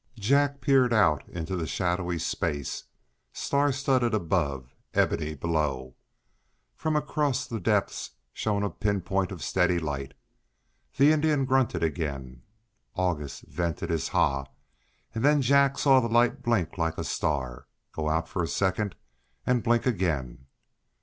Jack peered out into the shadowy space, star studded above, ebony below. Far across the depths shone a pinpoint of steady light. The Indian grunted again, August vented his "ha!" and then Jack saw the light blink like a star, go out for a second, and blink again.